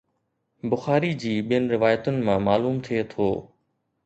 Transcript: بخاري جي ٻين روايتن مان معلوم ٿئي ٿو